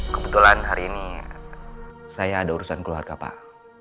kebetulan hari ini saya ada urusan keluarga pak